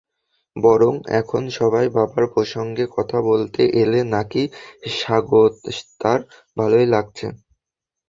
বরং এখন সবাই বাবার প্রসঙ্গে কথা বলতে এলে নাকি স্বাগতার ভালোই লাগছে।